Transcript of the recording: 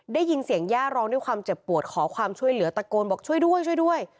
ได้ยินเสียงย่าร้องด้วยความเจ็บปวดขอความช่วยเหลือตะโกนบอกช่วยด้วยช่วยด้วย